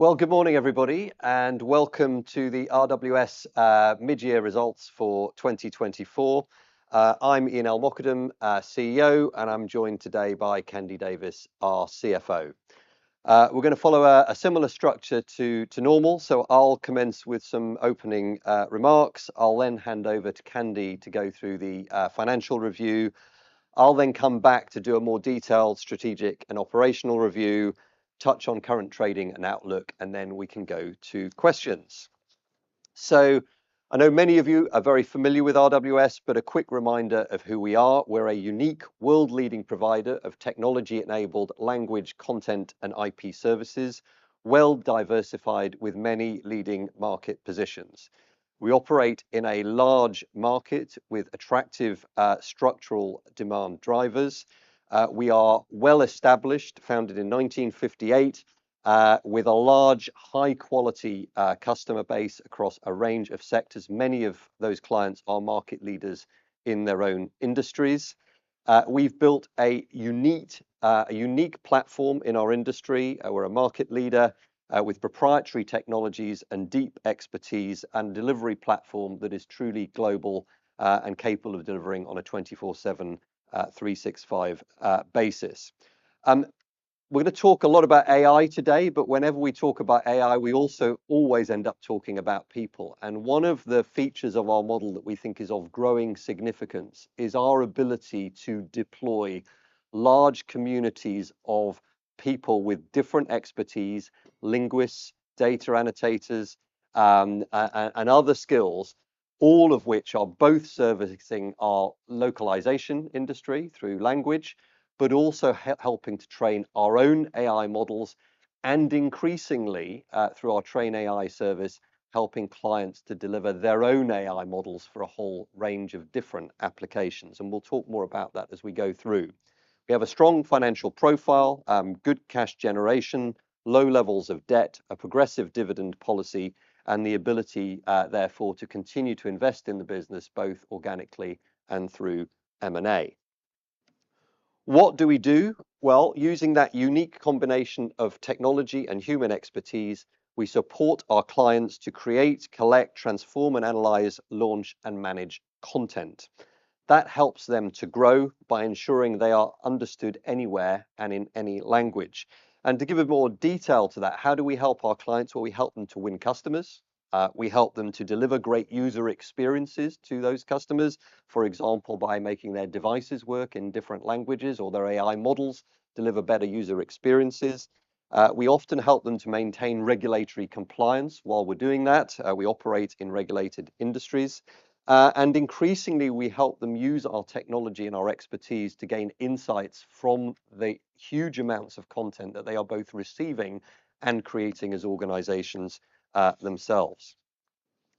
Well, good morning, everybody, and welcome to the RWS mid-year results for 2024. I'm Ian El-Mokadem, CEO, and I'm joined today by Candida Davies, our CFO. We're going to follow a similar structure to normal, so I'll commence with some opening remarks. I'll then hand over to Candy to go through the financial review. I'll then come back to do a more detailed strategic and operational review, touch on current trading and outlook, and then we can go to questions. So, I know many of you are very familiar with RWS, but a quick reminder of who we are. We're a unique, world-leading provider of technology-enabled language content and IP services, well-diversified with many leading market positions. We operate in a large market with attractive structural demand drivers. We are well-established, founded in 1958, with a large, high-quality customer base across a range of sectors. Many of those clients are market leaders in their own industries. We've built a unique platform in our industry. We're a market leader with proprietary technologies and deep expertise and a delivery platform that is truly global and capable of delivering on a 24/7, 365 basis. We're going to talk a lot about AI today, but whenever we talk about AI, we also always end up talking about people. And one of the features of our model that we think is of growing significance is our ability to deploy large communities of people with different expertise, linguists, data annotators, and other skills, all of which are both servicing our localization industry through language, but also helping to train our own AI models and, increasingly, through our TrainAI service, helping clients to deliver their own AI models for a whole range of different applications. We'll talk more about that as we go through. We have a strong financial profile, good cash generation, low levels of debt, a progressive dividend policy, and the ability, therefore, to continue to invest in the business both organically and through M&A. What do we do? Well, using that unique combination of technology and human expertise, we support our clients to create, collect, transform, and analyze, launch, and manage content. That helps them to grow by ensuring they are understood anywhere and in any language. To give a bit more detail to that, how do we help our clients? Well, we help them to win customers. We help them to deliver great user experiences to those customers, for example, by making their devices work in different languages or their AI models deliver better user experiences. We often help them to maintain regulatory compliance while we're doing that. We operate in regulated industries. Increasingly, we help them use our technology and our expertise to gain insights from the huge amounts of content that they are both receiving and creating as organizations themselves.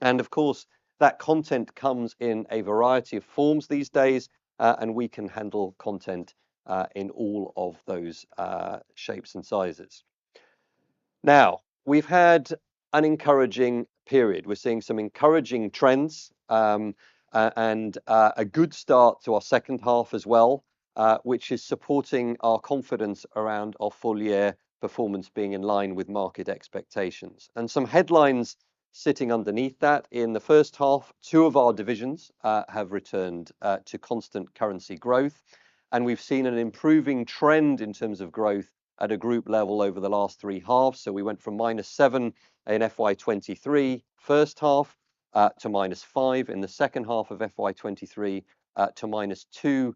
Of course, that content comes in a variety of forms these days, and we can handle content in all of those shapes and sizes. Now, we've had an encouraging period. We're seeing some encouraging trends and a good start to our second half as well, which is supporting our confidence around our full-year performance being in line with market expectations. Some headlines sitting underneath that, in the first half, two of our divisions have returned to constant currency growth. We've seen an improving trend in terms of growth at a group level over the last three halves. So we went from -7 in FY 2023 first half to -5 in the second half of FY 2023 to -2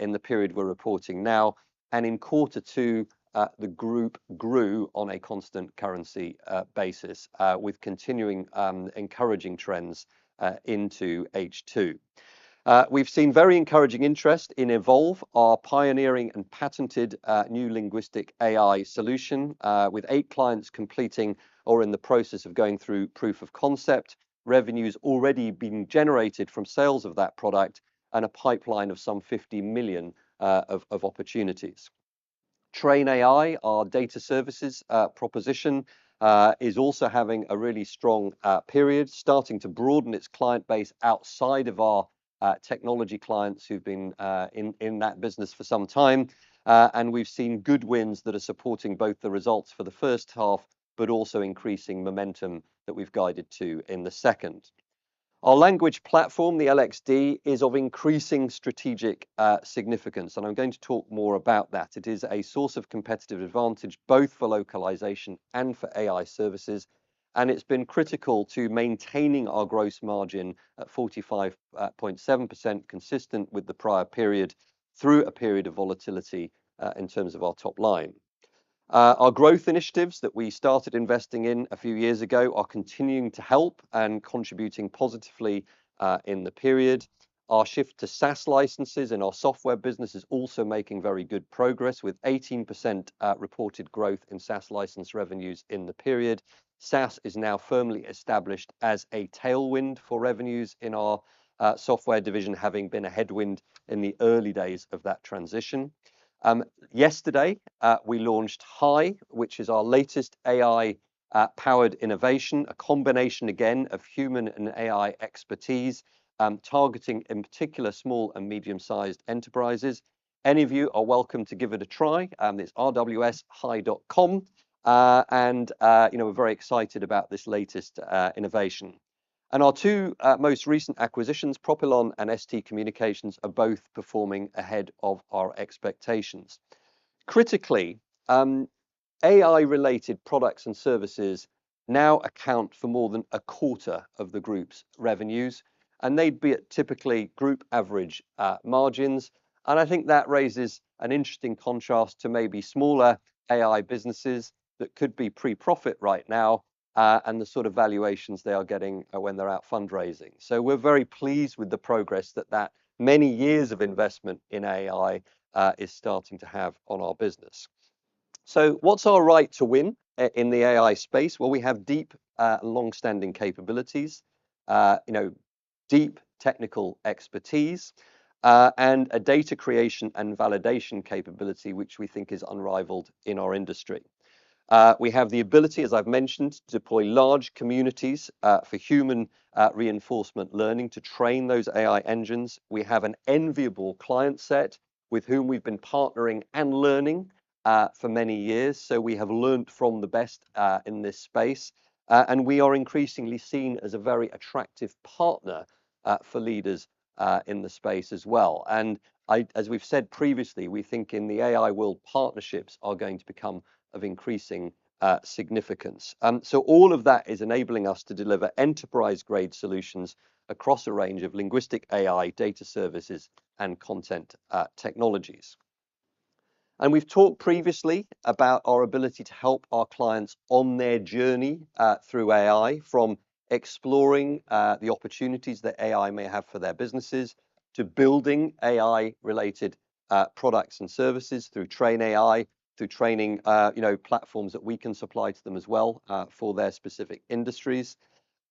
in the period we're reporting now. And in quarter two, the group grew on a constant currency basis with continuing encouraging trends into H2. We've seen very encouraging interest in Evolve, our pioneering and patented new linguistic AI solution, with eight clients completing or in the process of going through proof of concept, revenues already being generated from sales of that product, and a pipeline of some 50 million of opportunities. TrainAI, our data services proposition, is also having a really strong period, starting to broaden its client base outside of our technology clients who've been in that business for some time. We've seen good wins that are supporting both the results for the first half, but also increasing momentum that we've guided to in the second. Our language platform, the LXD, is of increasing strategic significance. I'm going to talk more about that. It is a source of competitive advantage both for localization and for AI services. It's been critical to maintaining our gross margin at 45.7%, consistent with the prior period, through a period of volatility in terms of our top line. Our growth initiatives that we started investing in a few years ago are continuing to help and contributing positively in the period. Our shift to SaaS licenses in our software business is also making very good progress, with 18% reported growth in SaaS license revenues in the period. SaaS is now firmly established as a tailwind for revenues in our software division, having been a headwind in the early days of that transition. Yesterday, we launched HAI, which is our latest AI-powered innovation, a combination again of human and AI expertise, targeting in particular small and medium-sized enterprises. Any of you are welcome to give it a try. It's rwshi.com. And we're very excited about this latest innovation. And our two most recent acquisitions, Propylon and ST Communications, are both performing ahead of our expectations. Critically, AI-related products and services now account for more than a quarter of the group's revenues, and they'd be at typically group average margins. And I think that raises an interesting contrast to maybe smaller AI businesses that could be pre-profit right now and the sort of valuations they are getting when they're out fundraising. So we're very pleased with the progress that many years of investment in AI is starting to have on our business. So what's our right to win in the AI space? Well, we have deep and long-standing capabilities, deep technical expertise, and a data creation and validation capability, which we think is unrivaled in our industry. We have the ability, as I've mentioned, to deploy large communities for human reinforcement learning to train those AI engines. We have an enviable client set with whom we've been partnering and learning for many years. So we have learned from the best in this space. And as we've said previously, we think in the AI world, partnerships are going to become of increasing significance. So all of that is enabling us to deliver enterprise-grade solutions across a range of linguistic AI data services and content technologies. And we've talked previously about our ability to help our clients on their journey through AI, from exploring the opportunities that AI may have for their businesses to building AI-related products and services through TrainAI, through training platforms that we can supply to them as well for their specific industries.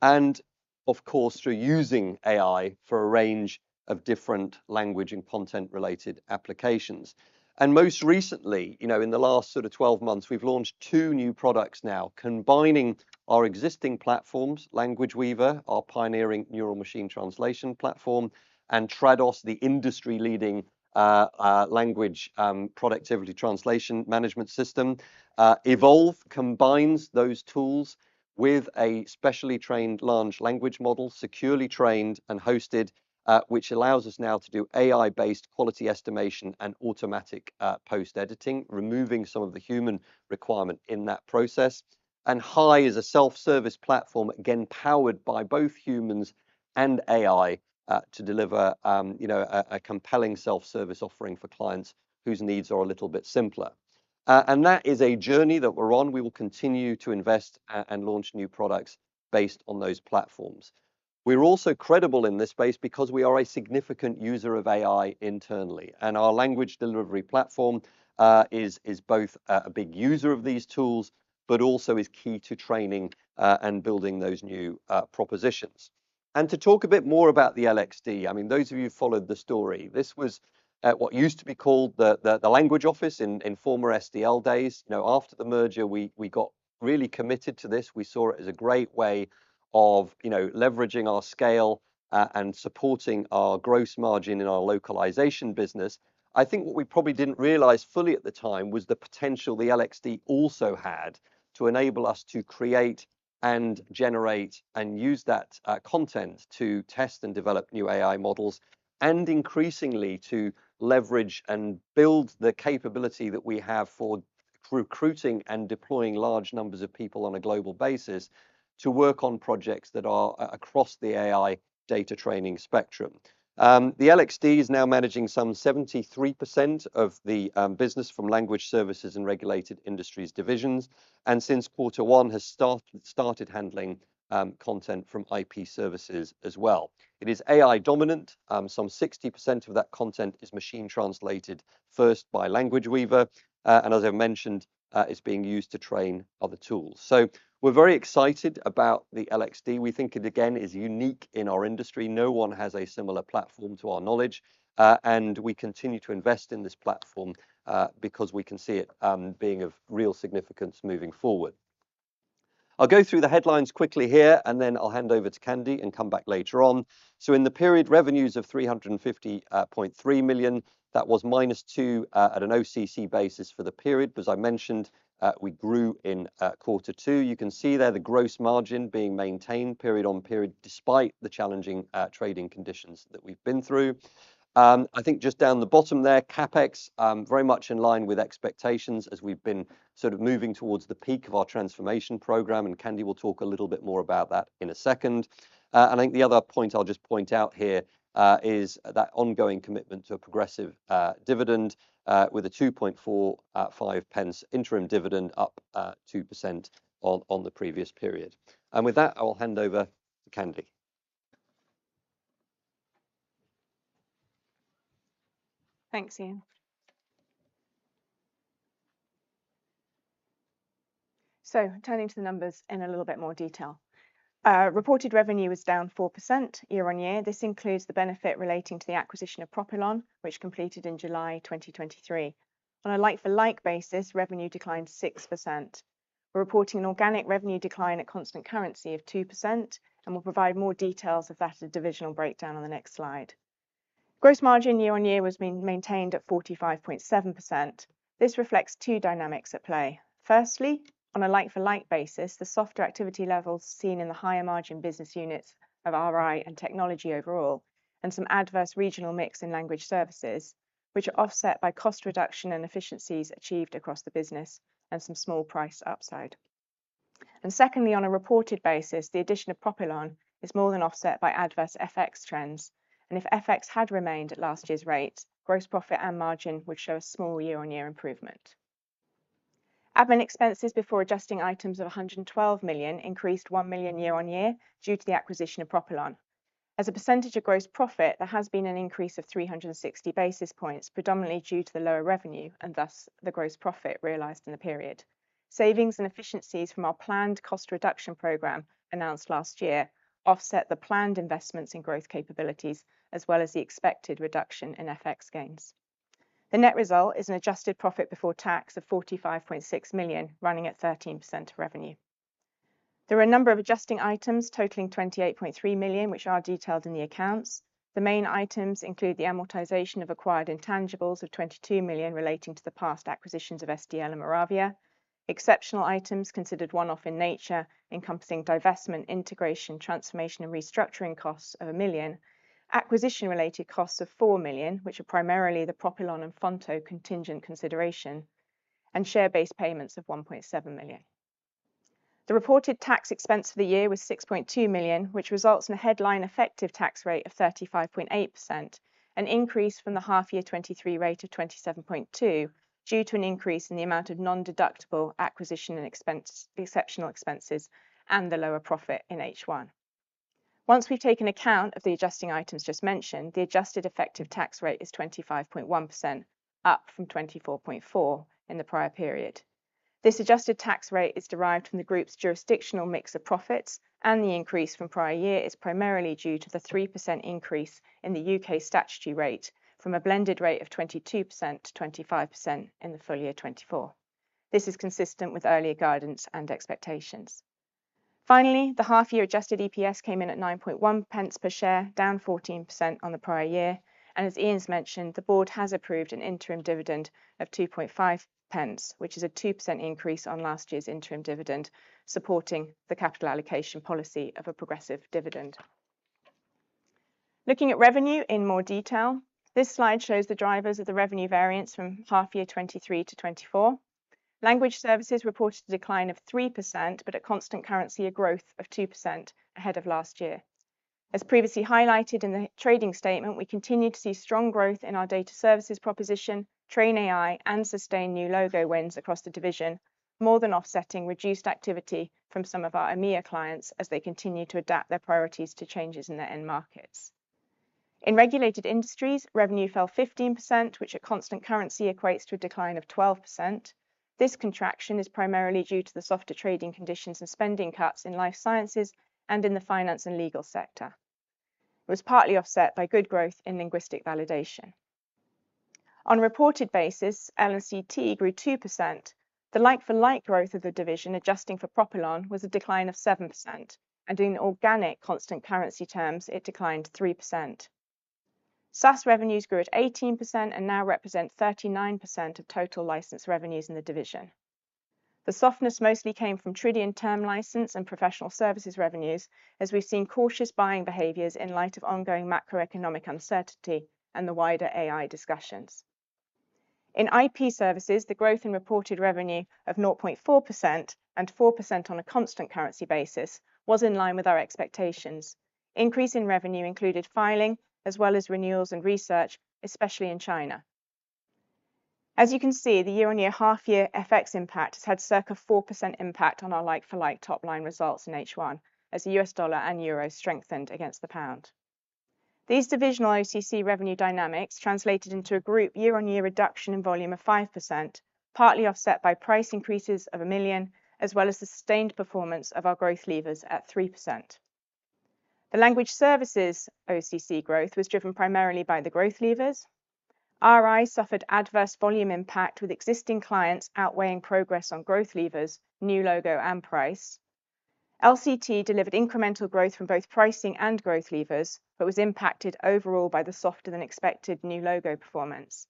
And of course, through using AI for a range of different language and content-related applications. And most recently, in the last sort of 12 months, we've launched two new products now, combining our existing platforms, Language Weaver, our pioneering neural machine translation platform, and Trados, the industry-leading language productivity translation management system. Evolve combines those tools with a specially trained large language model, securely trained and hosted, which allows us now to do AI-based quality estimation and automatic post-editing, removing some of the human requirement in that process. HAI is a self-service platform, again, powered by both humans and AI to deliver a compelling self-service offering for clients whose needs are a little bit simpler. That is a journey that we're on. We will continue to invest and launch new products based on those platforms. We're also credible in this space because we are a significant user of AI internally. Our language delivery platform is both a big user of these tools, but also is key to training and building those new propositions. To talk a bit more about the LXD, I mean, those of you who followed the story, this was what used to be called the language office in former SDL days. After the merger, we got really committed to this. We saw it as a great way of leveraging our scale and supporting our gross margin in our localization business. I think what we probably didn't realize fully at the time was the potential the LXD also had to enable us to create and generate and use that content to test and develop new AI models, and increasingly to leverage and build the capability that we have for recruiting and deploying large numbers of people on a global basis to work on projects that are across the AI data training spectrum. The LXD is now managing some 73% of the business from language services and regulated industries divisions, and since quarter one, has started handling content from IP services as well. It is AI dominant. Some 60% of that content is machine translated first by Language Weaver. And as I've mentioned, it's being used to train other tools. So we're very excited about the LXD. We think it, again, is unique in our industry. No one has a similar platform to our knowledge. And we continue to invest in this platform because we can see it being of real significance moving forward. I'll go through the headlines quickly here, and then I'll hand over to Candy and come back later on. So in the period, revenues of 350.3 million, that was -2% on an OCC basis for the period. But as I mentioned, we grew in quarter two. You can see there the gross margin being maintained period on period despite the challenging trading conditions that we've been through. I think just down the bottom there, CapEx, very much in line with expectations as we've been sort of moving towards the peak of our transformation program. Candy will talk a little bit more about that in a second. I think the other point I'll just point out here is that ongoing commitment to a progressive dividend with a 0.0245 interim dividend up 2% on the previous period. With that, I will hand over to Candy. Thanks, Ian. Turning to the numbers in a little bit more detail, reported revenue was down 4% year-on-year. This includes the benefit relating to the acquisition of Propylon, which completed in July 2023. On a like-for-like basis, revenue declined 6%. We're reporting an organic revenue decline at constant currency of 2%, and we'll provide more details of that at a divisional breakdown on the next slide. Gross margin year-on-year was maintained at 45.7%. This reflects two dynamics at play. Firstly, on a like-for-like basis, the soft activity levels seen in the higher margin business units of RI and technology overall, and some adverse regional mix in language services, which are offset by cost reduction and efficiencies achieved across the business and some small price upside. Secondly, on a reported basis, the addition of Propylon is more than offset by adverse FX trends. If FX had remained at last year's rates, gross profit and margin would show a small year-on-year improvement. Admin expenses before adjusting items of 112 million increased 1 million year-on-year due to the acquisition of Propylon. As a percentage of gross profit, there has been an increase of 360 basis points, predominantly due to the lower revenue and thus the gross profit realized in the period. Savings and efficiencies from our planned cost reduction program announced last year offset the planned investments in growth capabilities as well as the expected reduction in FX gains. The net result is an adjusted profit before tax of 45.6 million, running at 13% of revenue. There are a number of adjusting items totaling 28.3 million, which are detailed in the accounts. The main items include the amortization of acquired intangibles of 22 million relating to the past acquisitions of SDL and Moravia. Exceptional items considered one-off in nature, encompassing divestment, integration, transformation, and restructuring costs of 1 million, acquisition-related costs of 4 million, which are primarily the Propylon and Fonto contingent consideration, and share-based payments of 1.7 million. The reported tax expense for the year was 6.2 million, which results in a headline effective tax rate of 35.8%, an increase from the half-year 2023 rate of 27.2% due to an increase in the amount of non-deductible acquisition and exceptional expenses and the lower profit in H1. Once we've taken account of the adjusting items just mentioned, the adjusted effective tax rate is 25.1%, up from 24.4% in the prior period. This adjusted tax rate is derived from the group's jurisdictional mix of profits, and the increase from prior year is primarily due to the 3% increase in the UK statutory rate from a blended rate of 22% to 25% in the full year 2024. This is consistent with earlier guidance and expectations. Finally, the half-year adjusted EPS came in at 9.1 pence per share, down 14% on the prior year. As Ian's mentioned, the board has approved an interim dividend of 0.025, which is a 2% increase on last year's interim dividend, supporting the capital allocation policy of a progressive dividend. Looking at revenue in more detail, this slide shows the drivers of the revenue variance from half-year 2023 to 2024. Language services reported a decline of 3%, but at constant currency, a growth of 2% ahead of last year. As previously highlighted in the trading statement, we continue to see strong growth in our data services proposition, TrainAI, and sustain new logo wins across the division, more than offsetting reduced activity from some of our EMEA clients as they continue to adapt their priorities to changes in their end markets. In regulated industries, revenue fell 15%, which at constant currency equates to a decline of 12%. This contraction is primarily due to the softer trading conditions and spending cuts in life sciences and in the finance and legal sector. It was partly offset by good growth in linguistic validation. On a reported basis, L&CT grew 2%. The like-for-like growth of the division adjusting for Propylon was a decline of 7%. In organic constant currency terms, it declined 3%. SaaS revenues grew at 18% and now represent 39% of total license revenues in the division. The softness mostly came from Trados term license and professional services revenues, as we've seen cautious buying behaviors in light of ongoing macroeconomic uncertainty and the wider AI discussions. In IP services, the growth in reported revenue of 0.4% and 4% on a constant currency basis was in line with our expectations. Increase in revenue included filing as well as renewals and research, especially in China. As you can see, the year-on-year half-year FX impact has had circa 4% impact on our like-for-like top line results in H1, as the US dollar and euro strengthened against the pound. These divisional OCC revenue dynamics translated into a group year-on-year reduction in volume of 5%, partly offset by price increases of 1%, as well as the sustained performance of our growth levers at 3%. The language services OCC growth was driven primarily by the growth levers. RI suffered adverse volume impact with existing clients outweighing progress on growth levers, new logo, and price. L&CT delivered incremental growth from both pricing and growth levers, but was impacted overall by the softer than expected new logo performance.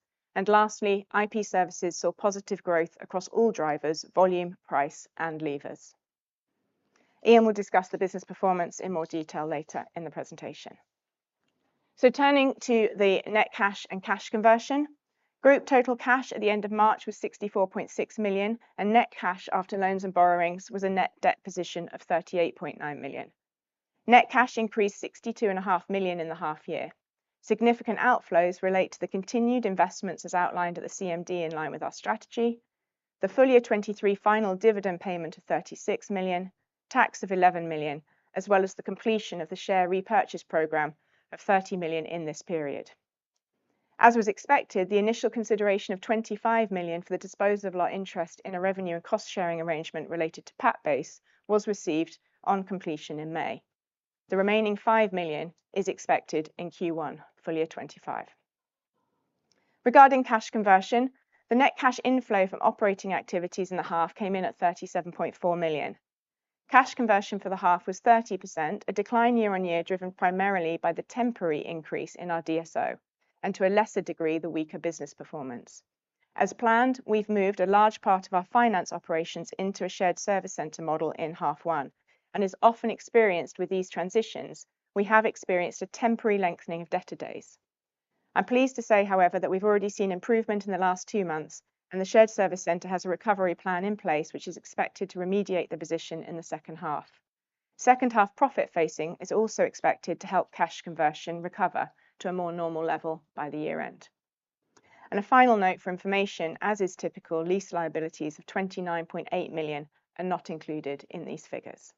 Lastly, IP services saw positive growth across all drivers, volume, price, and levers. Ian will discuss the business performance in more detail later in the presentation. Turning to the net cash and cash conversion, group total cash at the end of March was 64.6 million, and net cash after loans and borrowings was a net debt position of 38.9 million. Net cash increased 62.5 million in the half-year. Significant outflows relate to the continued investments as outlined at the CMD in line with our strategy, the full year 2023 final dividend payment of 36 million, tax of 11 million, as well as the completion of the share repurchase program of 30 million in this period. As was expected, the initial consideration of 25 million for the disposal of our interest in a revenue and cost-sharing arrangement related to PatBase was received on completion in May. The remaining 5 million is expected in Q1, full year 2025. Regarding cash conversion, the net cash inflow from operating activities in the half came in at 37.4 million. Cash conversion for the half was 30%, a decline year-on-year driven primarily by the temporary increase in our DSO, and to a lesser degree, the weaker business performance. As planned, we've moved a large part of our finance operations into a shared service center model in half one. As often experienced with these transitions, we have experienced a temporary lengthening of debtor days. I'm pleased to say, however, that we've already seen improvement in the last two months, and the shared service center has a recovery plan in place, which is expected to remediate the position in the second half. Second half profit phasing is also expected to help cash conversion recover to a more normal level by the year end. A final note for information, as is typical, lease liabilities of 29.8 million are not included in these figures.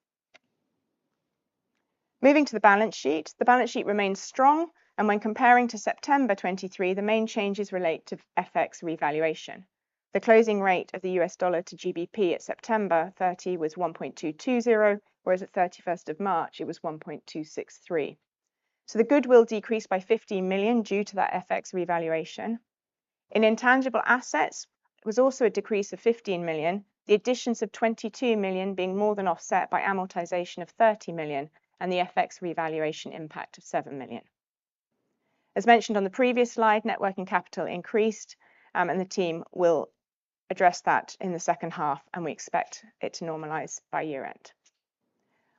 Moving to the balance sheet, the balance sheet remains strong, and when comparing to September 23, the main changes relate to FX revaluation. The closing rate of the US dollar to GBP at September 30 was 1.220, whereas at 31st of March, it was 1.263. So the goodwill decreased by 15 million due to that FX revaluation. In intangible assets, it was also a decrease of 15 million, the additions of 22 million being more than offset by amortization of 30 million and the FX revaluation impact of 7 million. As mentioned on the previous slide, net working capital increased, and the team will address that in the second half, and we expect it to normalize by year end.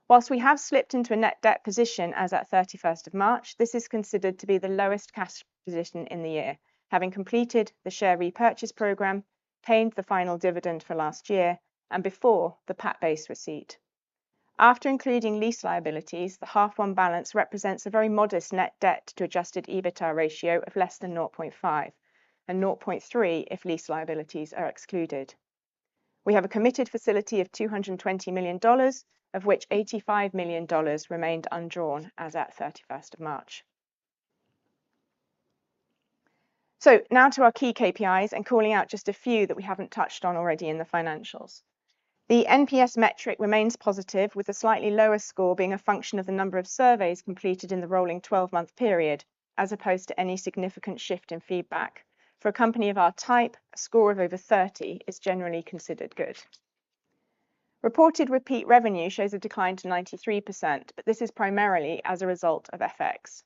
While we have slipped into a net debt position as at 31st of March, this is considered to be the lowest cash position in the year, having completed the share repurchase program, paid the final dividend for last year, and before the PatBase receipt. After including lease liabilities, the half one balance represents a very modest net debt to adjusted EBITDA ratio of less than 0.5, and 0.3 if lease liabilities are excluded. We have a committed facility of $220 million, of which $85 million remained undrawn as at 31st of March. So now to our key KPIs and calling out just a few that we haven't touched on already in the financials. The NPS metric remains positive, with a slightly lower score being a function of the number of surveys completed in the rolling 12-month period, as opposed to any significant shift in feedback. For a company of our type, a score of over 30 is generally considered good. Reported repeat revenue shows a decline to 93%, but this is primarily as a result of FX.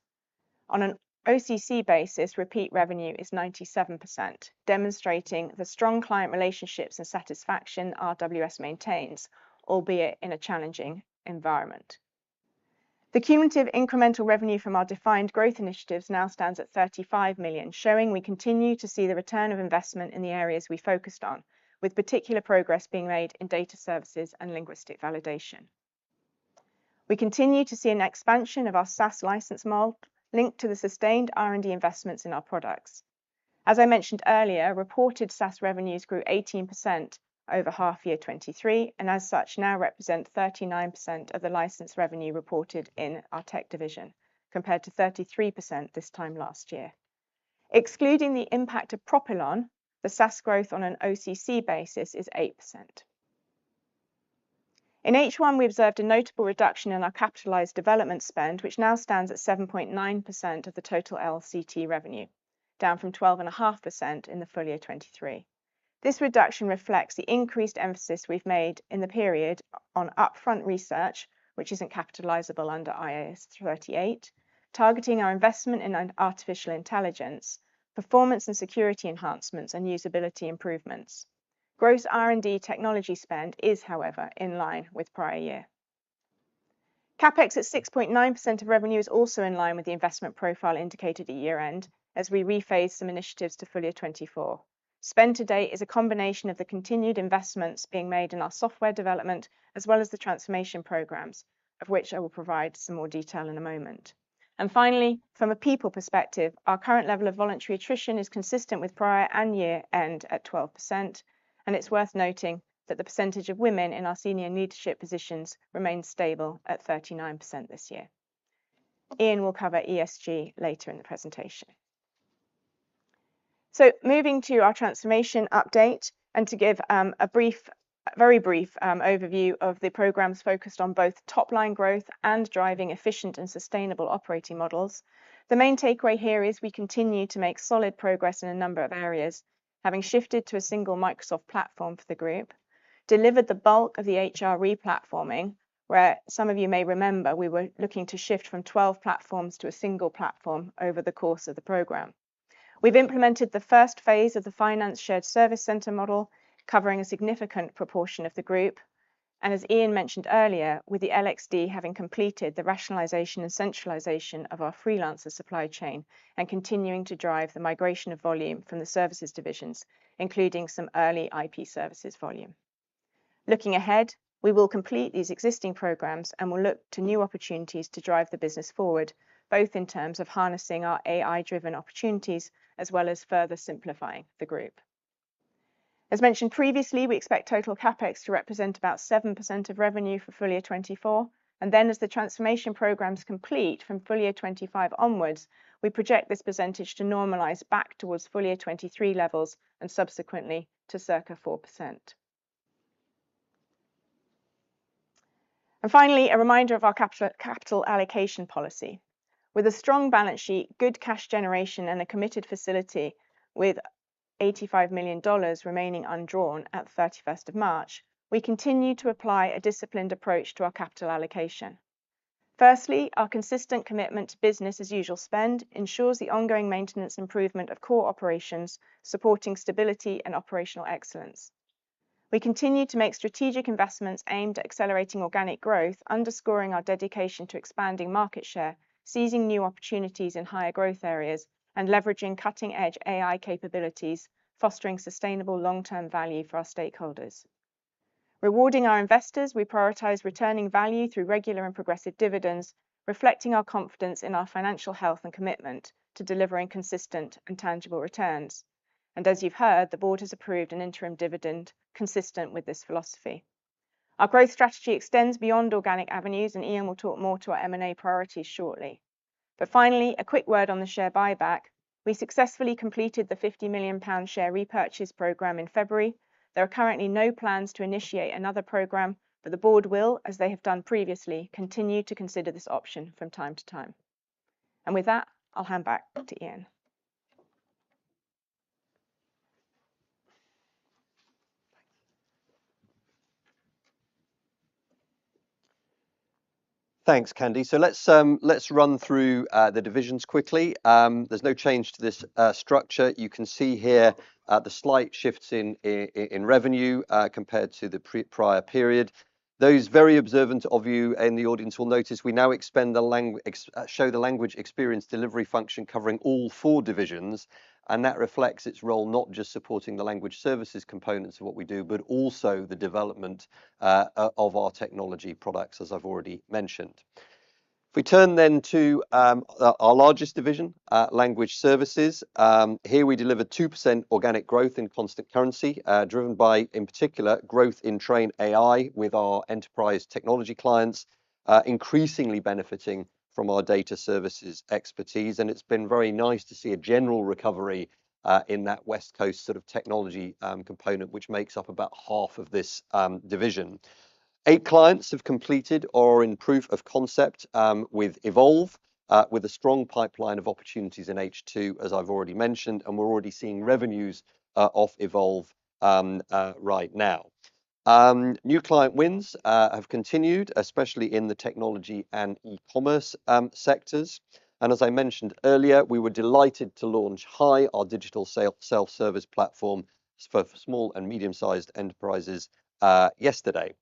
On an OCC basis, repeat revenue is 97%, demonstrating the strong client relationships and satisfaction RWS maintains, albeit in a challenging environment. The cumulative incremental revenue from our defined growth initiatives now stands at 35 million, showing we continue to see the return of investment in the areas we focused on, with particular progress being made in data services and linguistic validation. We continue to see an expansion of our SaaS license model linked to the sustained R&D investments in our products. As I mentioned earlier, reported SaaS revenues grew 18% over half-year 2023, and as such, now represent 39% of the license revenue reported in our tech division, compared to 33% this time last year. Excluding the impact of Propylon, the SaaS growth on an OCC basis is 8%. In H1, we observed a notable reduction in our capitalized development spend, which now stands at 7.9% of the total L&CT revenue, down from 12.5% in the full year 2023. This reduction reflects the increased emphasis we've made in the period on upfront research, which isn't capitalizable under IAS 38, targeting our investment in artificial intelligence, performance and security enhancements, and usability improvements. Gross R&D technology spend is, however, in line with prior year. CapEx at 6.9% of revenue is also in line with the investment profile indicated at year-end, as we rephase some initiatives to full year 2024. Spend to date is a combination of the continued investments being made in our software development, as well as the transformation programs, of which I will provide some more detail in a moment. Finally, from a people perspective, our current level of voluntary attrition is consistent with prior and year-end at 12%, and it's worth noting that the percentage of women in our senior leadership positions remains stable at 39% this year. Ian will cover ESG later in the presentation. Moving to our transformation update and to give a brief, very brief overview of the programs focused on both top-line growth and driving efficient and sustainable operating models, the main takeaway here is we continue to make solid progress in a number of areas, having shifted to a single Microsoft platform for the group, delivered the bulk of the HR replatforming, where some of you may remember we were looking to shift from 12 platforms to a single platform over the course of the program. We've implemented the first phase of the finance shared service center model, covering a significant proportion of the group. And as Ian mentioned earlier, with the LXD having completed the rationalization and centralization of our freelancer supply chain and continuing to drive the migration of volume from the services divisions, including some early IP services volume. Looking ahead, we will complete these existing programs and will look to new opportunities to drive the business forward, both in terms of harnessing our AI-driven opportunities as well as further simplifying the group. As mentioned previously, we expect total CapEx to represent about 7% of revenue for full year 2024. And then, as the transformation programs complete from full year 2025 onwards, we project this percentage to normalize back towards full year 2023 levels and subsequently to circa 4%. And finally, a reminder of our capital allocation policy. With a strong balance sheet, good cash generation, and a committed facility with $85 million remaining undrawn at 31st of March, we continue to apply a disciplined approach to our capital allocation. Firstly, our consistent commitment to business as usual spend ensures the ongoing maintenance and improvement of core operations, supporting stability and operational excellence. We continue to make strategic investments aimed at accelerating organic growth, underscoring our dedication to expanding market share, seizing new opportunities in higher growth areas, and leveraging cutting-edge AI capabilities, fostering sustainable long-term value for our stakeholders. Rewarding our investors, we prioritize returning value through regular and progressive dividends, reflecting our confidence in our financial health and commitment to delivering consistent and tangible returns. As you've heard, the board has approved an interim dividend consistent with this philosophy. Our growth strategy extends beyond organic avenues, and Ian will talk more to our M&A priorities shortly. But finally, a quick word on the share buyback. We successfully completed the 50 million pound share repurchase program in February. There are currently no plans to initiate another program, but the board will, as they have done previously, continue to consider this option from time to time. And with that, I'll hand back to Ian. Thanks, Candy. So let's run through the divisions quickly. There's no change to this structure. You can see here the slight shifts in revenue compared to the prior period. Those very observant of you in the audience will notice we now expand the Language eXperience Delivery function covering all four divisions, and that reflects its role not just supporting the language services components of what we do, but also the development of our technology products, as I've already mentioned. If we turn then to our largest division, language services, here we deliver 2% organic growth in constant currency, driven by, in particular, growth in TrainAI with our enterprise technology clients, increasingly benefiting from our data services expertise. And it's been very nice to see a general recovery in that West Coast sort of technology component, which makes up about half of this division. Eight clients have completed or are in proof of concept with Evolve, with a strong pipeline of opportunities in H2, as I've already mentioned, and we're already seeing revenues off Evolve right now. New client wins have continued, especially in the technology and e-commerce sectors. As I mentioned earlier, we were delighted to launch, HAI, our digital self-service platform for small and medium-sized enterprises yesterday.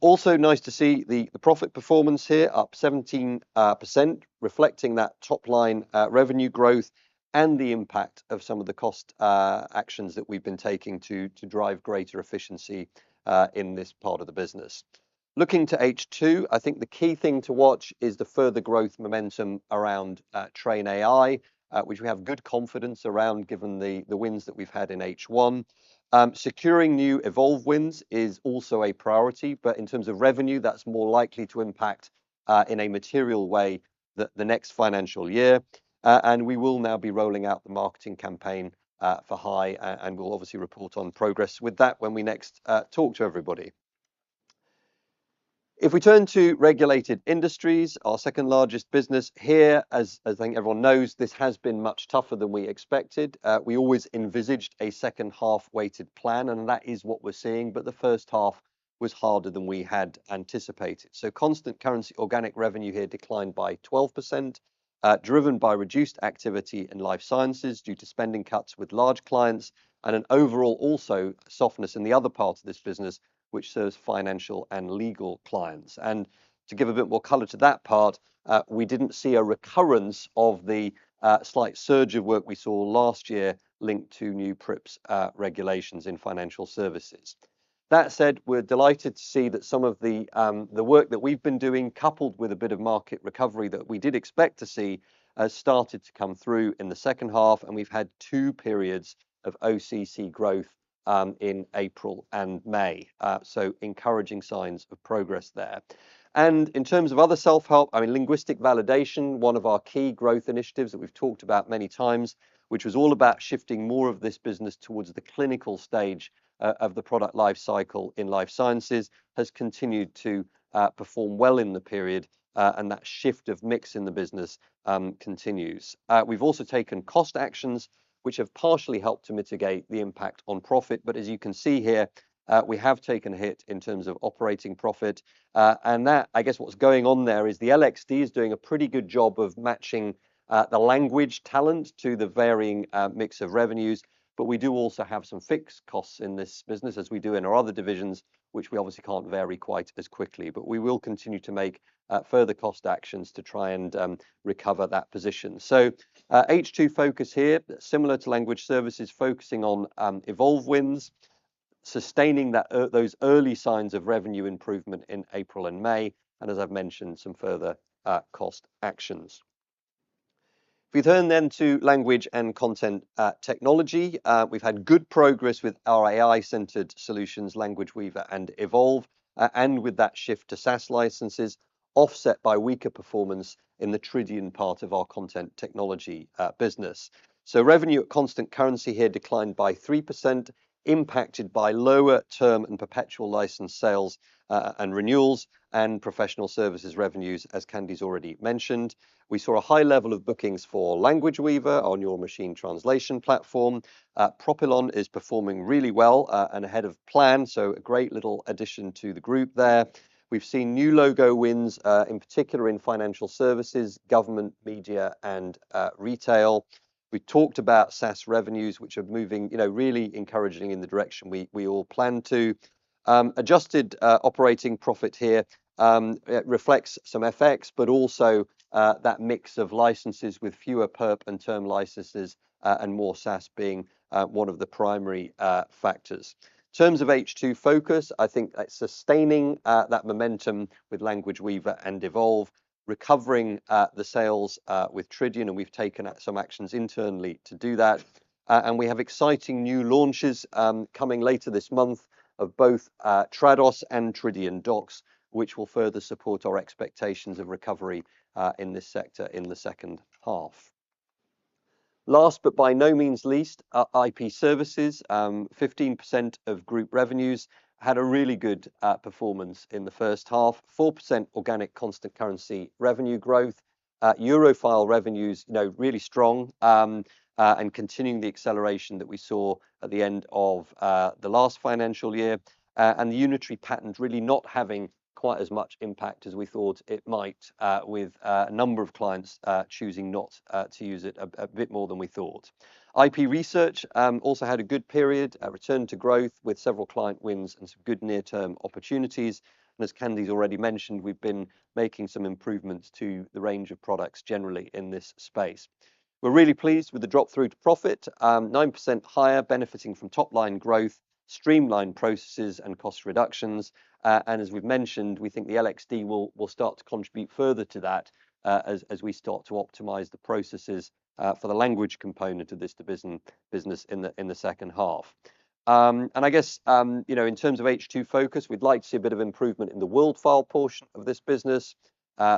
Also nice to see the profit performance here up 17%, reflecting that top-line revenue growth and the impact of some of the cost actions that we've been taking to drive greater efficiency in this part of the business. Looking to H2, I think the key thing to watch is the further growth momentum around TrainAI, which we have good confidence around given the wins that we've had in H1. Securing new Evolve wins is also a priority, but in terms of revenue, that's more likely to impact in a material way the next financial year. We will now be rolling out the marketing campaign for HAI, and we'll obviously report on progress with that when we next talk to everybody. If we turn to regulated industries, our second largest business here, as I think everyone knows, this has been much tougher than we expected. We always envisaged a second half weighted plan, and that is what we're seeing, but the first half was harder than we had anticipated. Constant currency organic revenue here declined by 12%, driven by reduced activity in life sciences due to spending cuts with large clients, and an overall also softness in the other part of this business, which serves financial and legal clients. And to give a bit more color to that part, we didn't see a recurrence of the slight surge of work we saw last year linked to new PRIIPs regulations in financial services. That said, we're delighted to see that some of the work that we've been doing, coupled with a bit of market recovery that we did expect to see, has started to come through in the second half, and we've had two periods of OCC growth in April and May. So encouraging signs of progress there. And in terms of other self-help, I mean, Linguistic Validation, one of our key growth initiatives that we've talked about many times, which was all about shifting more of this business towards the clinical stage of the product life cycle in life sciences, has continued to perform well in the period, and that shift of mix in the business continues. We've also taken cost actions, which have partially helped to mitigate the impact on profit, but as you can see here, we have taken a hit in terms of operating profit. And that, I guess, what's going on there is the LXD is doing a pretty good job of matching the language talent to the varying mix of revenues, but we do also have some fixed costs in this business, as we do in our other divisions, which we obviously can't vary quite as quickly, but we will continue to make further cost actions to try and recover that position. So H2 focus here, similar to language services, focusing on Evolve wins, sustaining those early signs of revenue improvement in April and May, and as I've mentioned, some further cost actions. If we turn then to Language and Content Technology, we've had good progress with our AI-centered solutions, Language Weaver and Evolve, and with that shift to SaaS licenses, offset by weaker performance in the Tridion part of our content technology business. So revenue at constant currency here declined by 3%, impacted by lower term and perpetual license sales and renewals and professional services revenues, as Candy's already mentioned. We saw a high level of bookings for Language Weaver, our machine translation platform. Propylon is performing really well and ahead of plan, so a great little addition to the group there. We've seen new logo wins, in particular in financial services, government, media, and retail. We talked about SaaS revenues, which are moving really encouraging in the direction we all plan to. Adjusted operating profit here reflects some FX, but also that mix of licenses with fewer perp and term licenses and more SaaS being one of the primary factors. In terms of H2 focus, I think that's sustaining that momentum with Language Weaver and Evolve, recovering the sales with Tridion, and we've taken some actions internally to do that. We have exciting new launches coming later this month of both Trados and Tridion Docs, which will further support our expectations of recovery in this sector in the second half. Last, but by no means least, IP Services, 15% of group revenues, had a really good performance in the first half, 4% organic constant currency revenue growth, Eurofile revenues, really strong and continuing the acceleration that we saw at the end of the last financial year, and the Unitary Patent really not having quite as much impact as we thought it might with a number of clients choosing not to use it a bit more than we thought. IP research also had a good period, returned to growth with several client wins and some good near-term opportunities. And as Candy's already mentioned, we've been making some improvements to the range of products generally in this space. We're really pleased with the drop-through to profit, 9% higher, benefiting from top-line growth, streamlined processes, and cost reductions. And as we've mentioned, we think the LXD will start to contribute further to that as we start to optimize the processes for the language component of this division business in the second half. And I guess in terms of H2 focus, we'd like to see a bit of improvement in the Worldfile portion of this business.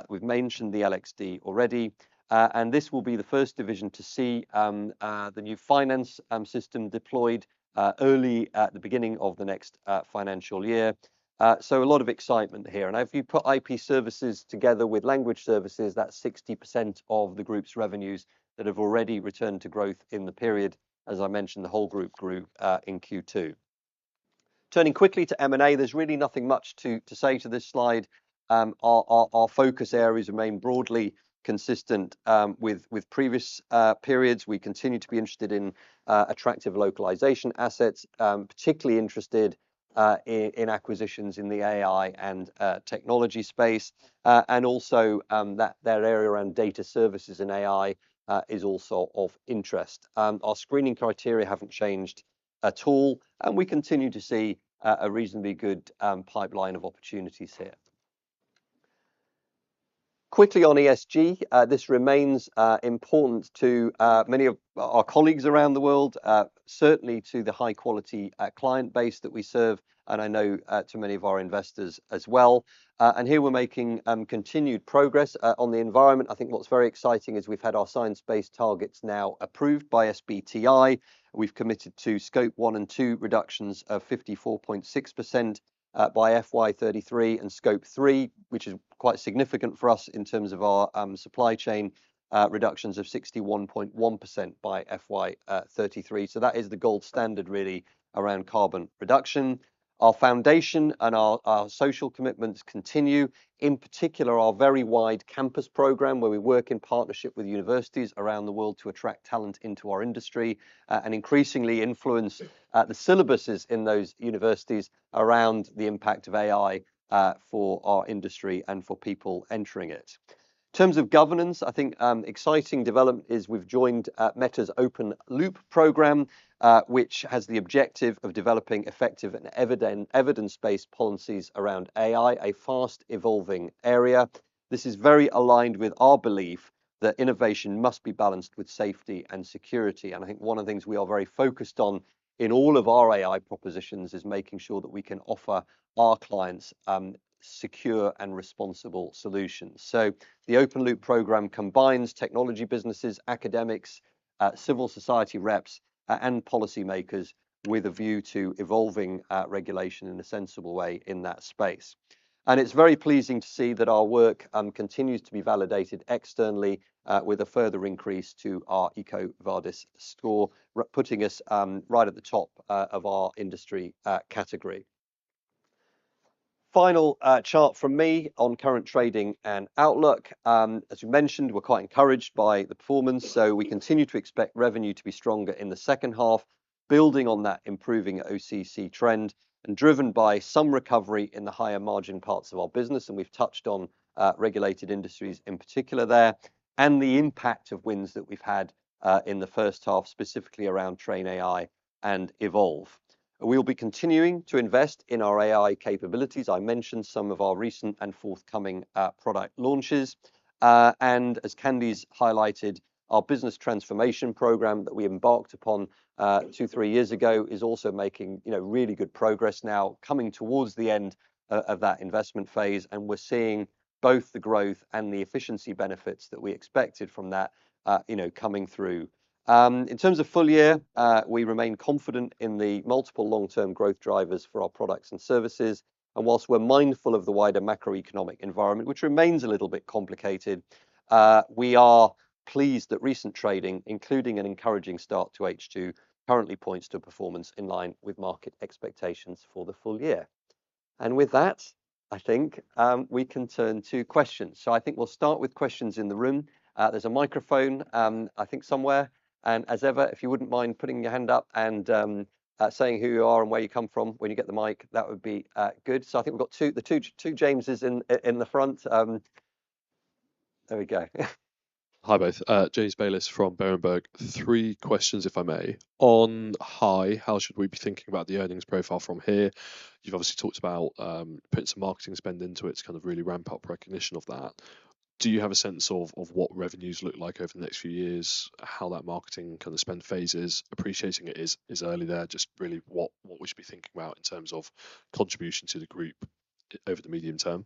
We've mentioned the LXD already, and this will be the first division to see the new finance system deployed early at the beginning of the next financial year. So a lot of excitement here. And if you put IP services together with language services, that's 60% of the group's revenues that have already returned to growth in the period, as I mentioned, the whole group grew in Q2. Turning quickly to M&A, there's really nothing much to say to this slide. Our focus areas remain broadly consistent with previous periods. We continue to be interested in attractive localization assets, particularly interested in acquisitions in the AI and technology space, and also that their area around data services and AI is also of interest. Our screening criteria haven't changed at all, and we continue to see a reasonably good pipeline of opportunities here. Quickly on ESG, this remains important to many of our colleagues around the world, certainly to the high-quality client base that we serve, and I know to many of our investors as well. Here we're making continued progress on the environment. I think what's very exciting is we've had our science-based targets now approved by SBTi. We've committed to scope 1 and 2 reductions of 54.6% by FY 2033 and scope 3, which is quite significant for us in terms of our supply chain reductions of 61.1% by FY 2033. So that is the gold standard really around carbon reduction. Our foundation and our social commitments continue, in particular our very wide campus program where we work in partnership with universities around the world to attract talent into our industry and increasingly influence the syllabuses in those universities around the impact of AI for our industry and for people entering it. In terms of governance, I think exciting development is we've joined Meta's Open Loop program, which has the objective of developing effective and evidence-based policies around AI, a fast-evolving area. This is very aligned with our belief that innovation must be balanced with safety and security. And I think one of the things we are very focused on in all of our AI propositions is making sure that we can offer our clients secure and responsible solutions. So the Open Loop program combines technology businesses, academics, civil society reps, and policymakers with a view to evolving regulation in a sensible way in that space. And it's very pleasing to see that our work continues to be validated externally with a further increase to our EcoVadis score, putting us right at the top of our industry category. Final chart from me on current trading and outlook. As we mentioned, we're quite encouraged by the performance, so we continue to expect revenue to be stronger in the second half, building on that improving OCC trend and driven by some recovery in the higher margin parts of our business. And we've touched on regulated industries in particular there and the impact of wins that we've had in the first half, specifically around TrainAI and Evolve. We will be continuing to invest in our AI capabilities. I mentioned some of our recent and forthcoming product launches. As Candy's highlighted, our business transformation program that we embarked upon two to three years ago is also making really good progress now, coming towards the end of that investment phase. We're seeing both the growth and the efficiency benefits that we expected from that coming through. In terms of full year, we remain confident in the multiple long-term growth drivers for our products and services. Whilst we're mindful of the wider macroeconomic environment, which remains a little bit complicated, we are pleased that recent trading, including an encouraging start to H2, currently points to a performance in line with market expectations for the full year. With that, I think we can turn to questions. I think we'll start with questions in the room. There's a microphone, I think, somewhere. And as ever, if you wouldn't mind putting your hand up and saying who you are and where you come from when you get the mic, that would be good. So I think we've got two James' in the front. There we go. Hi, both. James Bayliss from Berenberg. Three questions, if I may. On HAI, how should we be thinking about the earnings profile from here? You've obviously talked about putting some marketing spend into it to kind of really ramp up recognition of that. Do you have a sense of what revenues look like over the next few years, how that marketing kind of spend phase is appreciating? It is early there, just really what we should be thinking about in terms of contribution to the group over the medium term.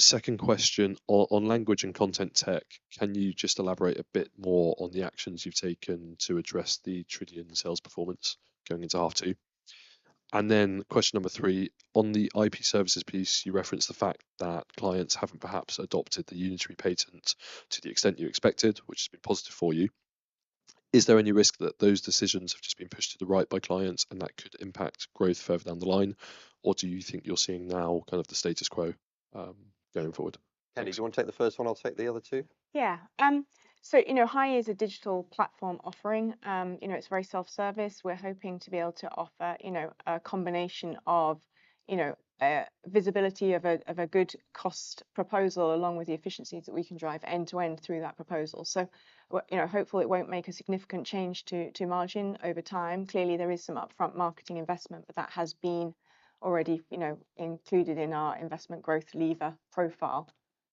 Second question on language and content tech, can you just elaborate a bit more on the actions you've taken to address the Tridion sales performance going into H2? And then question number three, on the IP services piece, you referenced the fact that clients haven't perhaps adopted the Unitary Patent to the extent you expected, which has been positive for you. Is there any risk that those decisions have just been pushed to the right by clients and that could impact growth further down the line? Or do you think you're seeing now kind of the status quo going forward? Candy, do you want to take the first one? I'll take the other two. Yeah. So HAI is a digital platform offering. It's very self-service. We're hoping to be able to offer a combination of visibility of a good cost proposal along with the efficiencies that we can drive end-to-end through that proposal. So hopefully it won't make a significant change to margin over time. Clearly, there is some upfront marketing investment, but that has been already included in our investment growth lever profile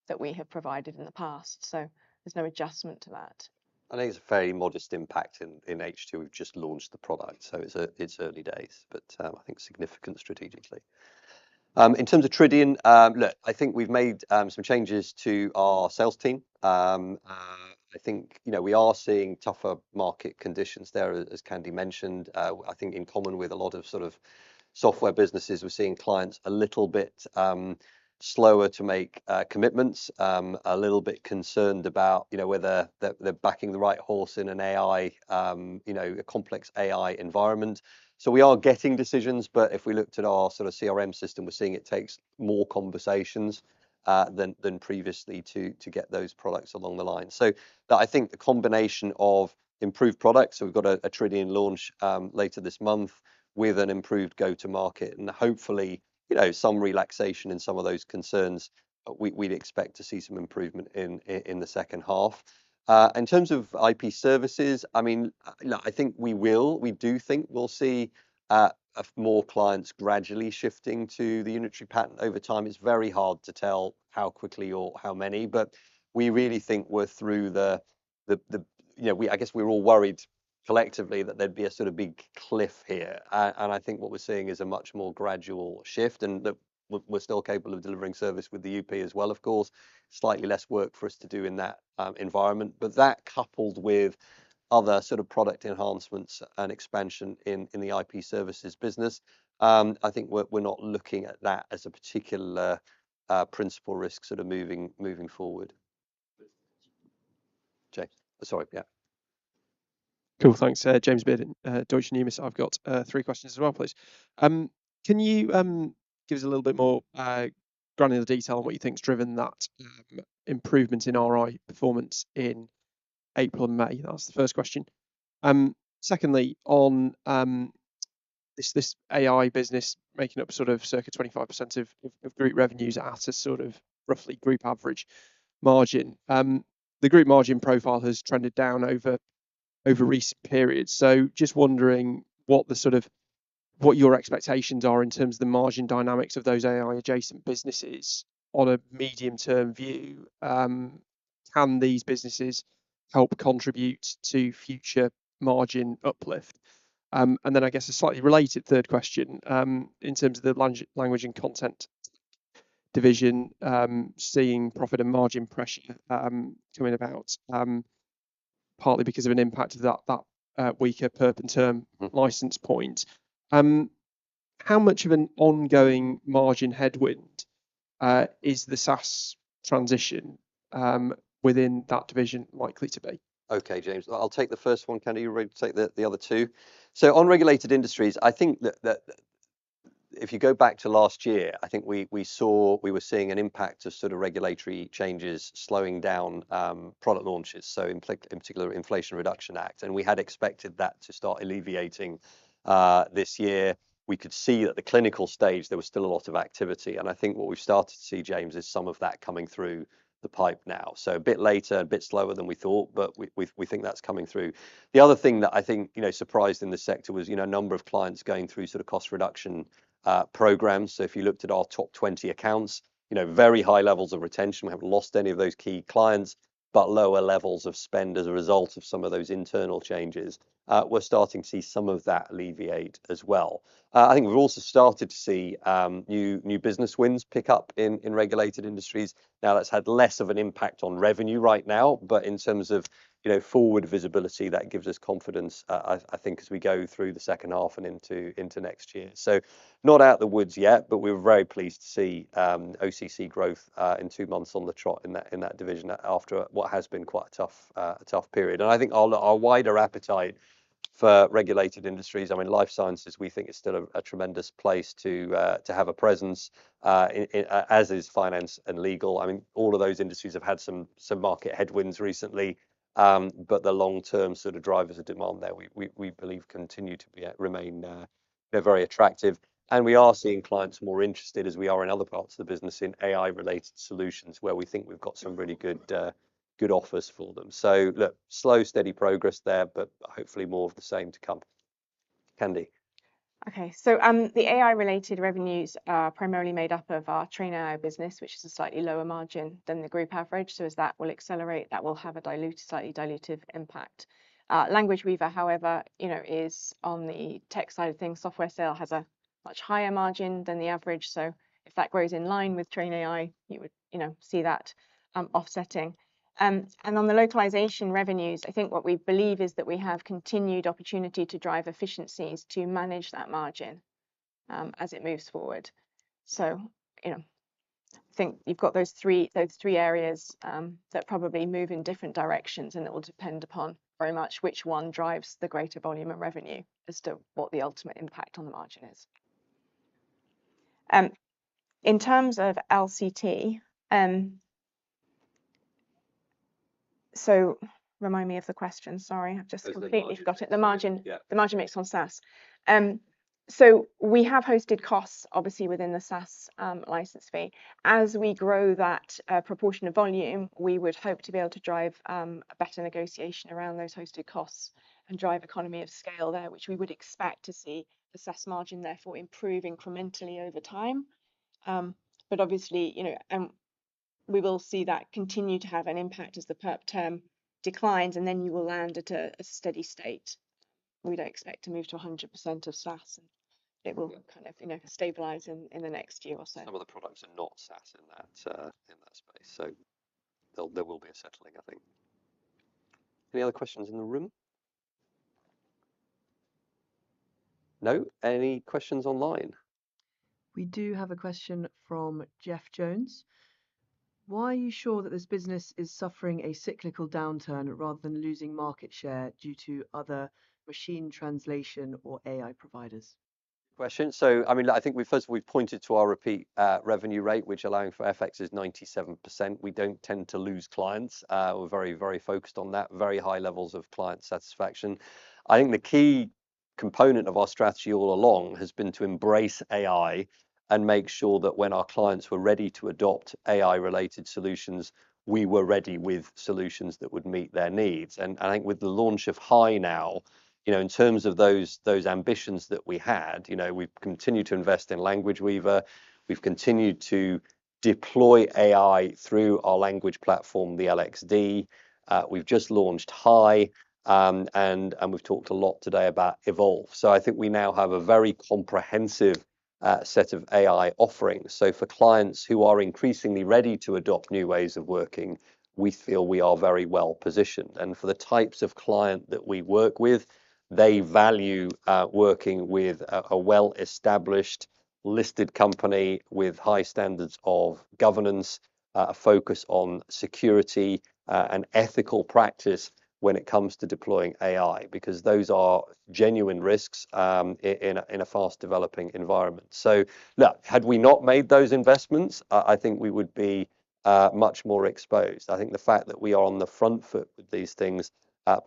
that we have provided in the past. So there's no adjustment to that. I think it's a fairly modest impact in H2. We've just launched the product, so it's early days, but I think significant strategically. In terms of Tridion, look, I think we've made some changes to our sales team. I think we are seeing tougher market conditions there, as Candy mentioned. I think in common with a lot of sort of software businesses, we're seeing clients a little bit slower to make commitments, a little bit concerned about whether they're backing the right horse in an AI, a complex AI environment. So we are getting decisions, but if we looked at our sort of CRM system, we're seeing it takes more conversations than previously to get those products along the line. So I think the combination of improved products, so we've got a Tridion launch later this month with an improved go-to-market and hopefully some relaxation in some of those concerns, we'd expect to see some improvement in the second half. In terms of IP Services, I mean, I think we will. We do think we'll see more clients gradually shifting to the Unitary Patent over time. It's very hard to tell how quickly or how many, but we really think we're through the, I guess we're all worried collectively that there'd be a sort of big cliff here. And I think what we're seeing is a much more gradual shift. And look, we're still capable of delivering service with the UP as well, of course. Slightly less work for us to do in that environment. But that coupled with other sort of product enhancements and expansion in the IP services business, I think we're not looking at that as a particular principal risk sort of moving forward. James, sorry, yeah. Cool, thanks. James Bearden, Deutsche Numis, I've got three questions as well, please. Can you give us a little bit more granular detail on what you think's driven that improvement in RI performance in April and May? That was the first question. Secondly, on this AI business making up sort of circa 25% of group revenues at a sort of roughly group average margin, the group margin profile has trended down over recent periods. So just wondering what your expectations are in terms of the margin dynamics of those AI-adjacent businesses on a medium-term view. Can these businesses help contribute to future margin uplift? And then I guess a slightly related third question in terms of the language and content division, seeing profit and margin pressure coming about, partly because of an impact of that weaker perpetual and term license point. How much of an ongoing margin headwind is the SaaS transition within that division likely to be? Okay, James. I'll take the first one. Candy, you're ready to take the other two. So on regulated industries, I think that if you go back to last year, I think we saw we were seeing an impact of sort of regulatory changes slowing down product launches, so in particular, Inflation Reduction Act. And we had expected that to start alleviating this year. We could see at the clinical stage, there was still a lot of activity. And I think what we've started to see, James, is some of that coming through the pipe now. So a bit later and a bit slower than we thought, but we think that's coming through. The other thing that I think surprised in the sector was a number of clients going through sort of cost reduction programs. So if you looked at our top 20 accounts, very high levels of retention. We haven't lost any of those key clients, but lower levels of spend as a result of some of those internal changes. We're starting to see some of that alleviate as well. I think we've also started to see new business wins pick up in regulated industries. Now, that's had less of an impact on revenue right now, but in terms of forward visibility, that gives us confidence, I think, as we go through the second half and into next year. So not out the woods yet, but we're very pleased to see OCC growth in two months on the trot in that division after what has been quite a tough period. And I think our wider appetite for regulated industries, I mean, life sciences, we think is still a tremendous place to have a presence, as is finance and legal. I mean, all of those industries have had some market headwinds recently, but the long-term sort of drivers of demand there, we believe, continue to remain very attractive. And we are seeing clients more interested, as we are in other parts of the business, in AI-related solutions where we think we've got some really good offers for them. So look, slow, steady progress there, but hopefully more of the same to come. Candy. Okay, so the AI-related revenues are primarily made up of our TrainAI business, which is a slightly lower margin than the group average. So as that will accelerate, that will have a slightly diluted impact. Language Weaver, however, is on the tech side of things. SaaS has a much higher margin than the average. So if that grows in line with TrainAI, you would see that offsetting. And on the localization revenues, I think what we believe is that we have continued opportunity to drive efficiencies to manage that margin as it moves forward. So I think you've got those three areas that probably move in different directions, and it will depend upon very much which one drives the greater volume of revenue as to what the ultimate impact on the margin is. In terms of L&CT, so remind me of the question. Sorry, I've just completely forgot it. The margin mix on SaaS. So we have hosted costs, obviously, within the SaaS license fee. As we grow that proportion of volume, we would hope to be able to drive a better negotiation around those hosted costs and drive economy of scale there, which we would expect to see the SaaS margin, therefore, improve incrementally over time. But obviously, we will see that continue to have an impact as the perpetual term declines, and then you will land at a steady state. We don't expect to move to 100% of SaaS, and it will kind of stabilize in the next year or so. Some of the products are not SaaS in that space. So there will be a settling, I think. Any other questions in the room? No? Any questions online? We do have a question from Jeff Jones. Why are you sure that this business is suffering a cyclical downturn rather than losing market share due to other machine translation or AI providers? Good question. So I mean, I think first of all, we've pointed to our repeat revenue rate, which allowing for FX is 97%. We don't tend to lose clients. We're very, very focused on that. Very high levels of client satisfaction. I think the key component of our strategy all along has been to embrace AI and make sure that when our clients were ready to adopt AI-related solutions, we were ready with solutions that would meet their needs. I think with the launch of HAI now, in terms of those ambitions that we had, we've continued to invest in Language Weaver. We've continued to deploy AI through our language platform, the LXD. We've just launched HAI, and we've talked a lot today about Evolve. I think we now have a very comprehensive set of AI offerings. For clients who are increasingly ready to adopt new ways of working, we feel we are very well positioned. And for the types of client that we work with, they value working with a well-established listed company with high standards of governance, a focus on security and ethical practice when it comes to deploying AI, because those are genuine risks in a fast-developing environment. So look, had we not made those investments, I think we would be much more exposed. I think the fact that we are on the front foot with these things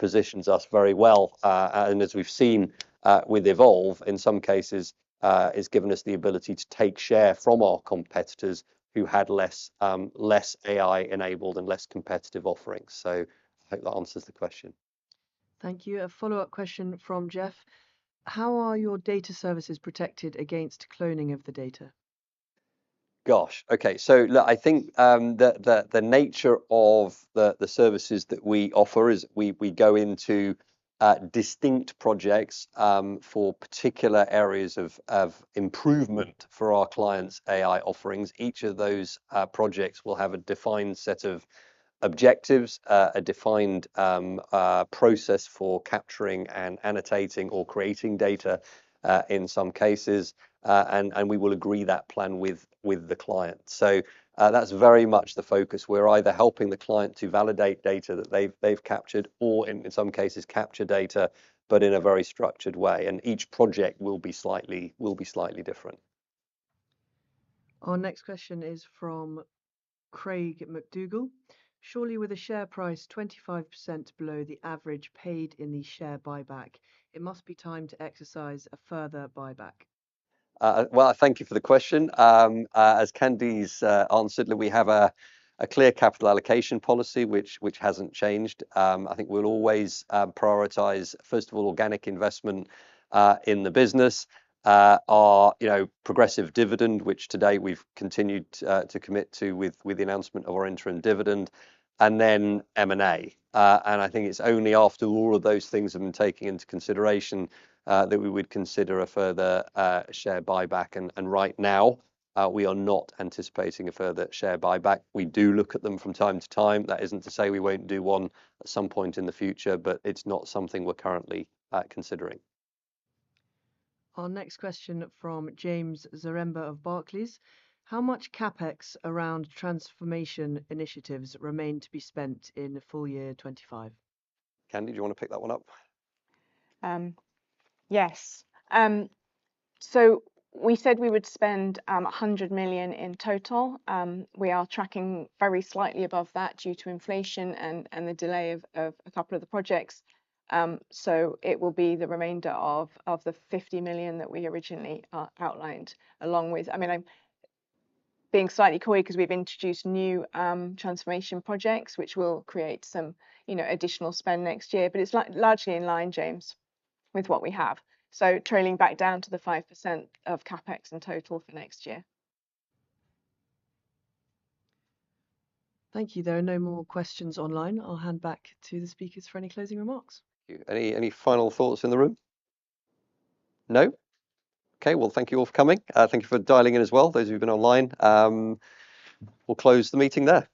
positions us very well. And as we've seen with Evolve, in some cases, it's given us the ability to take share from our competitors who had less AI-enabled and less competitive offerings. So I hope that answers the question. Thank you. A follow-up question from Jeff. How are your data services protected against cloning of the data? Gosh. Okay. So look, I think the nature of the services that we offer is we go into distinct projects for particular areas of improvement for our clients' AI offerings. Each of those projects will have a defined set of objectives, a defined process for capturing and annotating or creating data in some cases, and we will agree that plan with the client. So that's very much the focus. We're either helping the client to validate data that they've captured or, in some cases, capture data, but in a very structured way. And each project will be slightly different. Our next question is from Craig McDougall. Surely with a share price 25% below the average paid in the share buyback, it must be time to exercise a further buyback. Well, I thank you for the question. As Candy has answered, we have a clear capital allocation policy, which hasn't changed. I think we'll always prioritize, first of all, organic investment in the business, our progressive dividend, which today we've continued to commit to with the announcement of our interim dividend, and then M&A. And I think it's only after all of those things have been taken into consideration that we would consider a further share buyback. And right now, we are not anticipating a further share buyback. We do look at them from time to time. That isn't to say we won't do one at some point in the future, but it's not something we're currently considering. Our next question from James Zaremba of Barclays. How much CapEx around transformation initiatives remain to be spent in full year 2025? Candy, do you want to pick that one up? Yes. So we said we would spend 100 million in total. We are tracking very slightly above that due to inflation and the delay of a couple of the projects. So it will be the remainder of the 50 million that we originally outlined along with, I mean, being slightly coy because we've introduced new transformation projects, which will create some additional spend next year, but it's largely in line, James, with what we have. So trailing back down to the 5% of CapEx in total for next year. Thank you. There are no more questions online. I'll hand back to the speakers for any closing remarks. Any final thoughts in the room? No? Okay, well, thank you all for coming. Thank you for dialing in as well, those who've been online. We'll close the meeting there.